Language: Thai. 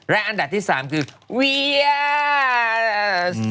และอันดับที่สามคือวียาซ